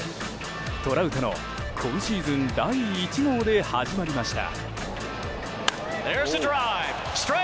トラウトの今シーズン第１号で始まりました。